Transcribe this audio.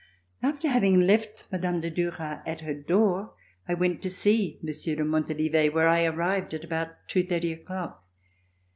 After having left Mme. de Duras at her door, I went to see Monsieur de Montalivet, where I arrived at about two thirty o'clock.